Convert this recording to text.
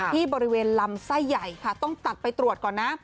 ที่บริเวณลำไส้ใหญ่ค่ะต้องตัดไปตรวจก่อนนะ